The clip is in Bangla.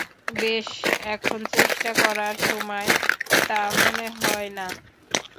বেশ, এখন চেষ্টা করার সময়, তা মনে হয় না?